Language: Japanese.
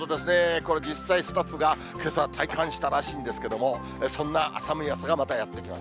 これ、実際、スタッフがけさ、体感したらしいですけれども、そんな寒い朝がまたやってきます。